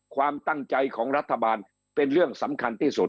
ความตั้งใจของรัฐบาลเป็นเรื่องสำคัญที่สุด